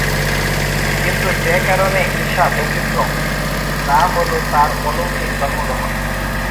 কিন্তু যে কারণে ঈসা ব্যতিক্রম, তা হলো তার অলৌকিক জন্মগ্রহণ।